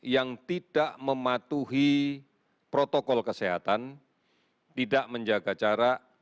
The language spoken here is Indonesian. yang tidak mematuhi protokol kesehatan tidak menjaga jarak